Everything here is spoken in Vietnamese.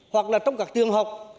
hoặc là trong các tường học